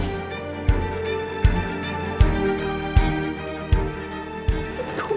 aku gak bisa tidur